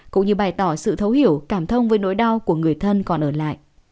cũng như bày tỏ sự thấu hiểu cảm thông với nỗi đau của người thân còn ở lại